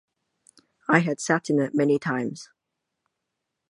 I had sat in it many times.